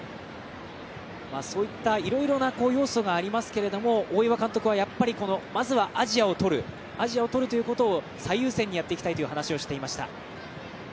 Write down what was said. そういったいろいろな要素がありますけれども大岩監督はやっぱり、まずはアジアをとるということを最優先にやっていきたいという話をしていました。